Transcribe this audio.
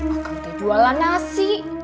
akan teh jualan nasi